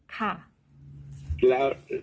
ค่ะ